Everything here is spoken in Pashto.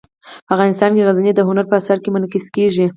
افغانستان کې غزني د هنر په اثار کې منعکس کېږي.